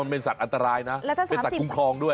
เป็นสัตว์อันตรายนะเป็นสัตว์คุ้มครองด้วย